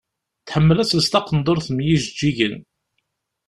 Tḥemmel ad tels taqendurt mm yijeǧǧigen.